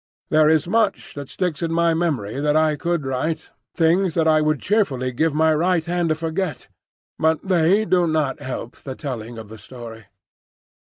There is much that sticks in my memory that I could write,—things that I would cheerfully give my right hand to forget; but they do not help the telling of the story.